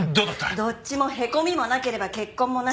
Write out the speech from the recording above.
どっちもへこみもなければ血痕もなし。